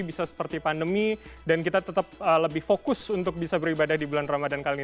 bisa seperti pandemi dan kita tetap lebih fokus untuk bisa beribadah di bulan ramadan kali ini